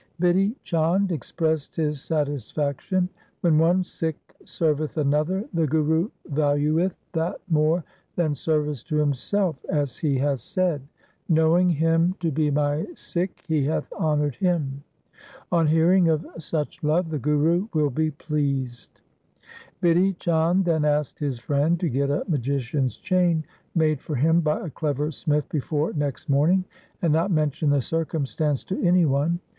Bidhi Chand expressed his satisfaction — 'When one Sikh serveth another, the Guru valueth that more than service to himself, as he hath said, " Knowing him to be my Sikh he hath honoured him." On hearing of such love the Guru will be pleased.' Bidhi Chand then asked his friendtogetamagician's chain made for him by a clever smith before next morning, and not mention the circumstance to any one.